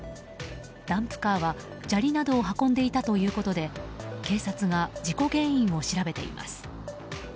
ダンプカーは砂利などを運んでいたということで警察が事故原因を調べています。